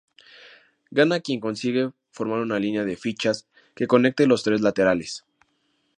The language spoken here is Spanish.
Gana quien consigue formar una línea de fichas que conecte los tres laterales.